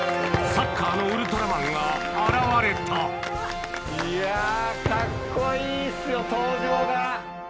サッカーのウルトラマンが現れたいやカッコいいっすよ登場が！